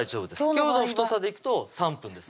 今日の太さでいくと３分です